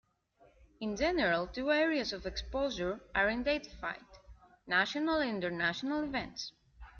In general two areas of exposure are identified: national and international events.